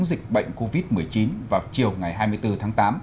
dịch bệnh covid một mươi chín vào chiều ngày hai mươi bốn tháng tám